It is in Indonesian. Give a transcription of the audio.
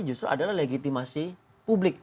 justru adalah legitimasi publik